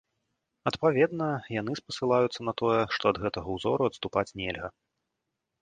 Адпаведна, яны спасылаюцца на тое, што ад гэтага ўзору адступаць нельга.